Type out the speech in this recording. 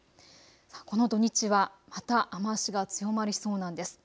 この土日はまた雨足が強まりそうなんです。